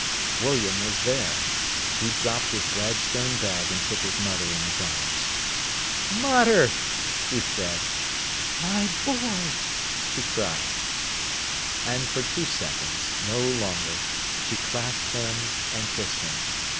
William was there. He dropped his Gladstone bag and took his mother in his arms. "Mater!" he said. "My boy!" she cried. And for two seconds, no longer, she clasped him and kissed him.